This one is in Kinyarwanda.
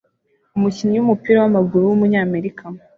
Umukinnyi wumupira wamaguru wumunyamerika